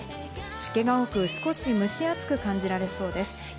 湿気が多く少し蒸し暑く感じられそうです。